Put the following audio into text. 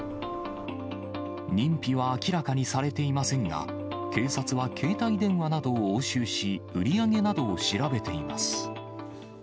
認否は明らかにされていませんが、警察は携帯電話などを押収し、売り上げなどを調べています。